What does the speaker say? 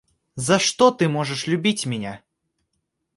За что ты можешь любить меня?